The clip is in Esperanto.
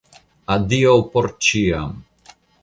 Adiaŭ por ĉiam!